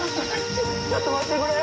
あちょっと待ってくれよ！